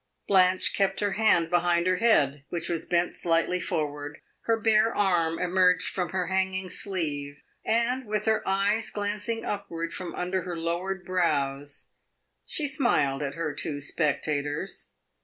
Blanche kept her hand behind her head, which was bent slightly forward; her bare arm emerged from her hanging sleeve, and, with her eyes glancing upward from under her lowered brows, she smiled at her two spectators.